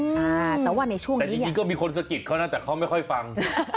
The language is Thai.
แต่ว่าในช่วงนี้แต่จริงก็มีคนสะกิดเขานะแต่เขาไม่ค่อยฟัง